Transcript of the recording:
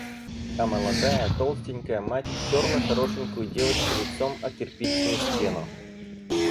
А молодая, толстенькая мать терла хорошенькую девочку лицом о кирпичную стену.